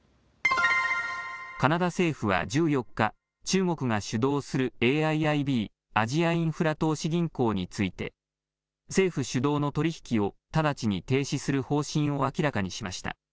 カナダ政府は１４日、中国が主導するＡＩＩＢ・アジアインフラ投資銀行について政府主導の取り引きを直ちに停止する方針を明らかにしました。